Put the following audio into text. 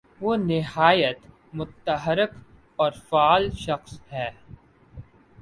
وہ نہایت متحرک اور فعال شخص ہیں۔